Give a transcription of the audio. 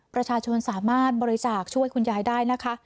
ประชาชนสามารถบริจาคช่วยคุณยายได้นะคะ